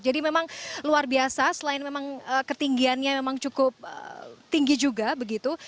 jadi memang luar biasa selain memang ketinggiannya memang cukup tinggi juga begitu